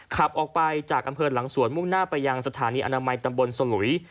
ขับออกไปจากอำเภอหลังสวนมุ่งหน้าไปยังสถานีอนามัยตำบลสลุย